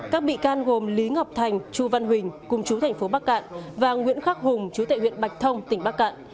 các bị can gồm lý ngọc thành chu văn huỳnh cùng chú thành phố bắc cạn và nguyễn khắc hùng chú tệ huyện bạch thông tỉnh bắc cạn